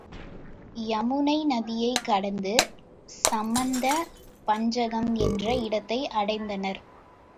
யமுனை நதியைக் கடந்து சமந்த பஞ்சகம் என்ற இடத்தை அடைந்தனர்.